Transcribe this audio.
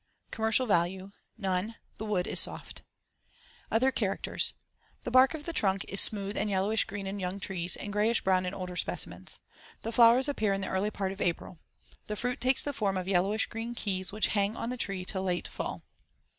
Commercial value: None. The wood is soft. Other characters: The bark of the trunk is smooth and yellowish green in young trees and grayish brown in older specimens. The flowers appear in the early part of April. The fruit takes the form of yellowish green keys which hang on the tree till late fall.